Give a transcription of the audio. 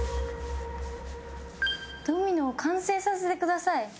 「ドミノを完成させて下さい」。